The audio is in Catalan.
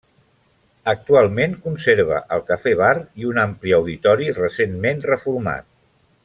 Actualment conserva el cafè-bar i un ampli auditori recentment reformat.